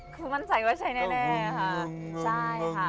คือมั่นใจว่าใช่แน่ค่ะ